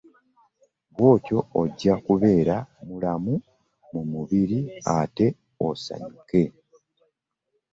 Bw'otyo ojja kubeera mulamu mu mubiri ate osanyuke.